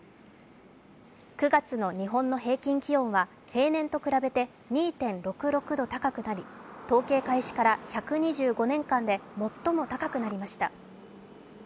９月の日本の平均気温は平年と比べて２．６６度高くなり統計開始から１２５年間で最も高くなりました。